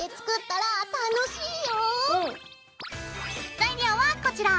材料はこちら。